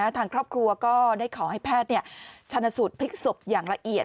ทางครอบครัวก็ได้ขอให้แพทย์ชนสูตรพลิกศพอย่างละเอียด